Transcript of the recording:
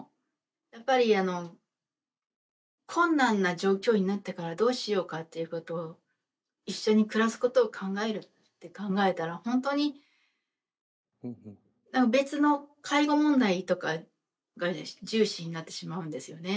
やっぱり困難な状況になってからどうしようかっていうことを一緒に暮らすことを考えるって考えたら本当に別の介護問題とかが重視になってしまうんですよね。